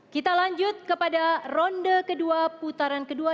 kita lanjut kepada ronde kedua putaran kedua